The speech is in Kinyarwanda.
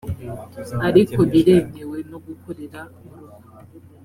ariko biremewe no gukorera mu rugo